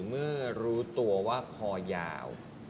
เมื่อรู้ตัวว่าคอยาว